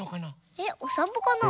えっおさんぽかな？